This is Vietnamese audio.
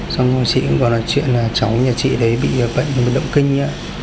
xong rồi chị cũng gọi là chuyện là cháu nhà chị đấy bị bệnh bệnh động kinh ạ